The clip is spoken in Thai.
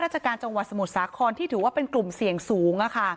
ราชการจังหวัดสมุทรสาครที่ถือว่าเป็นกลุ่มเสี่ยงสูง